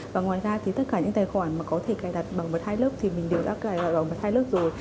và ngoài ra thì tất cả những tài khoản mà có thể cài đặt bằng mật hai lớp thì mình đều đã cài đặt bằng mật hai lớp rồi